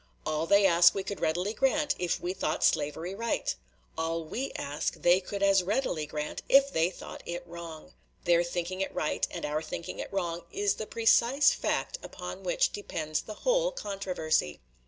All they ask we could readily grant, if we thought slavery right; all we ask they could as readily grant, if they thought it wrong. Their thinking it right, and our thinking it wrong, is the precise fact upon which depends the whole controversy.